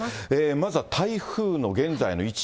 まずは台風の現在の位置。